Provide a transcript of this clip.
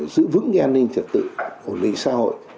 giữ vững an ninh trật tự ổn lĩnh xã hội